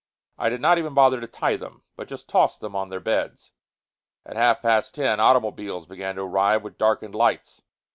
I did not even bother to tie them, but just tossed them on their beds. At half past ten, automobiles began to arrive with darkened lights.